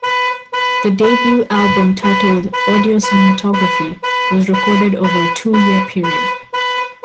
The debut album titled 'Audio Cinematography', was recorded over a two-year period.